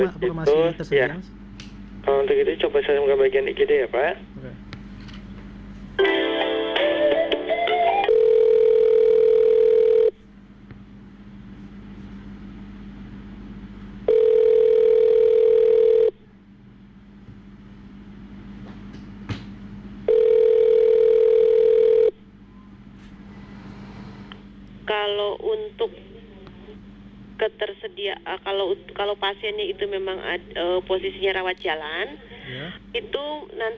namun hasilnya jauh dari harapan